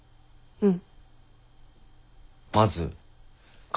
うん。